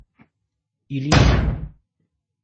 Или нет?